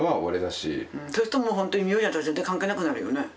そうするともうほんとに名字なんて全然関係なくなるよね。